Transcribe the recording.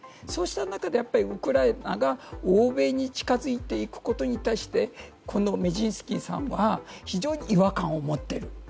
そうした中でウクライナが欧米に近づいていくことに対してメジンスキーさんは非常に違和感を持っている。